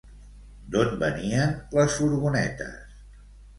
D'on venien les furgonetes?